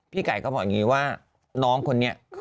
พี่ไก่ก็บอกอย่างงี้ว่าน้องคนนี้เขาเป็นคน